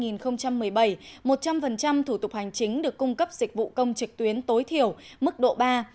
năm hai nghìn một mươi bảy một trăm linh thủ tục hành chính được cung cấp dịch vụ công trực tuyến tối thiểu mức độ ba